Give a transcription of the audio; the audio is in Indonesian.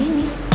bisa lebih keras